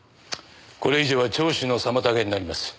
これ以上は聴取の妨げになります。